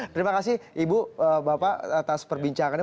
terima kasih ibu bapak atas perbincangannya